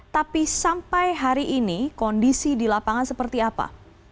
tapi sampai hari ini kondisi di lapangan seperti apa